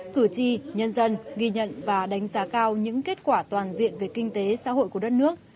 cử tri nhân dân ghi nhận và đánh giá cao những kết quả toàn diện về kinh tế xã hội của đất nước